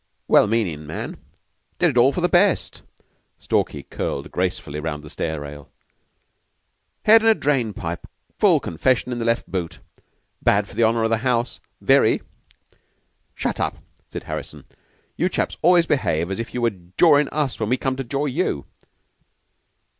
"Well meanin' man. Did it all for the best." Stalky curled gracefully round the stair rail. "Head in a drain pipe. Full confession in the left boot. Bad for the honor of the house very." "Shut up," said Harrison. "You chaps always behave as if you were jawin' us when we come to jaw you."